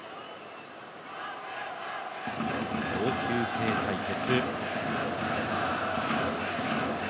同級生対決。